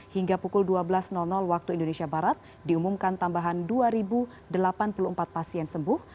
hingga pukul dua belas waktu indonesia barat diumumkan tambahan dua delapan puluh empat pasien sembuh